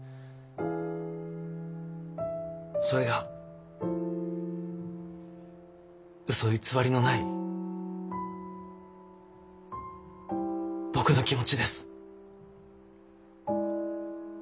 それがうそ偽りのない僕の気持ちです。